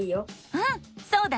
うんそうだね。